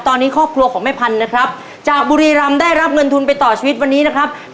ตอนนี้ครอบครัวของแม่พันธุ์นะครับจากบุรีรำได้รับเงินทุนไปต่อชีวิตวันนี้นะครับ